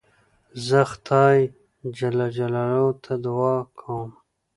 زه خدای جل جلاله ته دؤعا کوم.